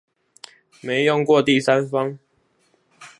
沒用過第三方